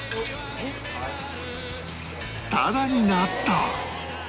タダになった！